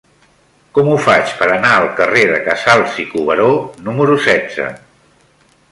Com ho faig per anar al carrer de Casals i Cuberó número setze?